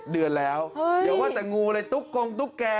๗เดือนแล้วเดี๋ยวว่าแต่งูเลยตุ๊กกงตุ๊กแก